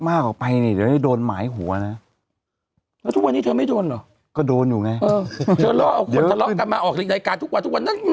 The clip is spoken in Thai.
บ้างออกไปเนี่ยให้โดนหมายหัวนะเธอไม่จงขอโดนอยู่ไงมาอกลิ่งได้การทุกวันทุกวัน